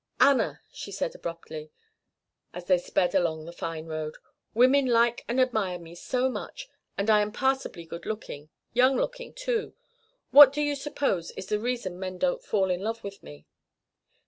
"Anna!" she said abruptly, as they sped along the fine road, "women like and admire me so much, and I am passably good looking young looking, too what do you suppose is the reason men don't fall in love with me?